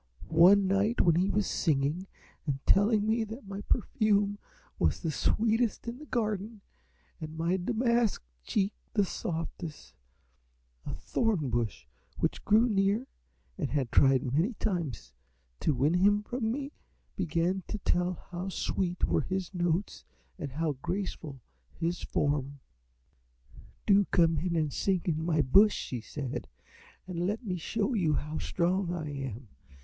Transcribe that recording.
One night when he was singing and telling me that my perfume was the sweetest in the garden and my damask cheek the softest, a Thorn Bush which grew near and had tried many times to win him from me began to tell how sweet were his notes and how graceful his form." "'Do come and sing in my bush,' she said, 'and let me show you how strong I am.